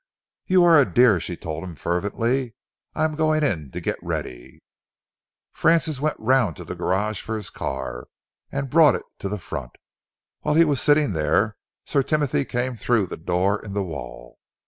"You are a dear," she told him fervently. "I am going in to get ready." Francis went round to the garage for his car, and brought it to the front. While he was sitting there, Sir Timothy came through the door in the wall.